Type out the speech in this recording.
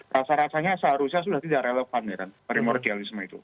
rasa rasanya seharusnya sudah tidak relevan ya kan primordialisme itu